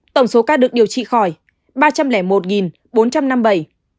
tổng số ca được điều trị khỏi ba trăm linh một bốn trăm năm mươi bảy